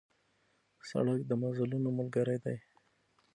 سړک د مزلونو ملګری دی.